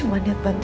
makanya aku bantu